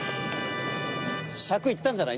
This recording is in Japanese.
尺行ったんじゃない？